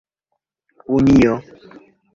unio